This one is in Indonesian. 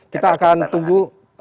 kita akan tunggu